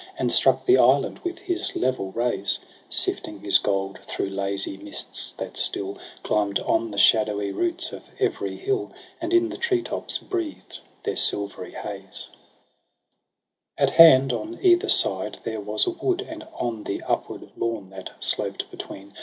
And struck the island with his level rays ; Sifting, his gold thro' lazy mists, that still Climb'd on the shadowy roots of every hill. And in the tree tops breathed their sUvery haze. r At hand on either side there was a wood j And on the upward lawn, that sloped between.